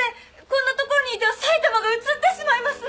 こんな所にいては埼玉がうつってしまいます！